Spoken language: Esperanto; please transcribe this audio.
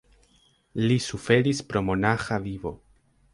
Li suferis pro monaĥa vivo.